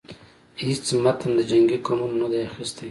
هیڅ متن د جنګی قومونو نوم نه دی اخیستی.